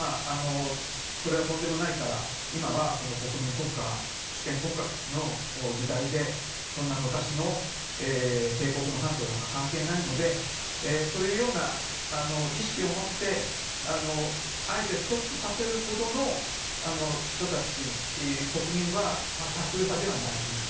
それはとんでもないから今は国民国家、主権国家の時代でそんな昔の帝国のものなんか関係ないのでというような意識を持ってあえて、ストップさせるほどの国民は多数派ではない。